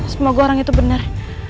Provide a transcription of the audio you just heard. semoga orang itu bener